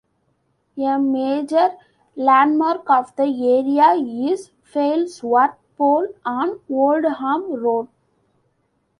A major landmark of the area is Failsworth Pole on Oldham Road.